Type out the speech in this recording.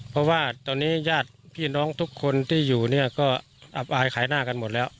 เพราะว่าตอนนี้ญาติพี่น้องทุกคนที่อยู่เนี่ยก็อับอายขายหน้ากันหมดแล้ว